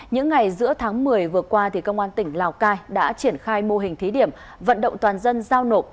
những ngày giữa tháng một mươi vừa qua công an tỉnh lào cai đã triển khai mô hình thí điểm vận động toàn dân giao nộp